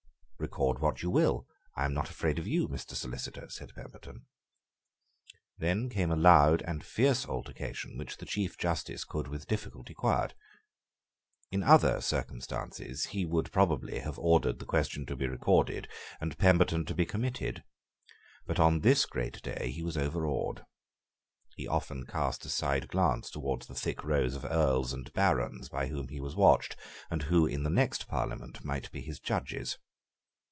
"Record what you will, I am not afraid of you, Mr. Solicitor," said Pemberton. Then came a loud and fierce altercation, which the Chief Justice could with difficulty quiet. In other circumstances, he would probably have ordered the question to be recorded and Pemberton to be committed. But on this great day he was overawed. He often cast a side glance towards the thick rows of Earls and Barons by whom he was watched, and who in the next Parliament might be his judges.